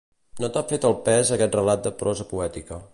No t'ha fet el pes aquest relat de prosa poètica.